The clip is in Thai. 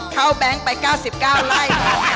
แบงค์ไป๙๙ไร่